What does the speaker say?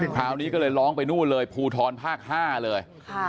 คราวนี้ก็เลยร้องไปนู่นเลยภูทรภาค๕เลย